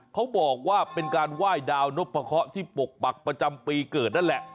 เขาบอกว่าเป็นการไหว้ดาวนพะเคาะที่ปกปักประจำปีเกิดนั่นแหละ